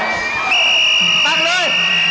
ตั้งเลย